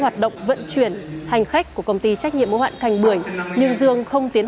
hoạt động vận chuyển hành khách của công ty trách nhiệm mối hoạn thành bưởi nhưng dương không tiến